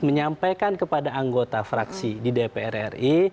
menyampaikan kepada anggota fraksi di dpr ri